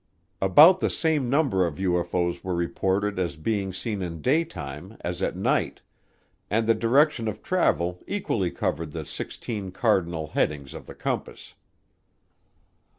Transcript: About the same number of UFO's were reported as being seen in daytime as at night, and the direction of travel equally covered the sixteen cardinal headings of the compass.